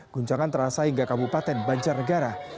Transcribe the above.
guncangan terasa hingga kabupaten banjarnegara